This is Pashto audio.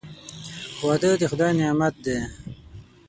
• واده د خدای نعمت دی.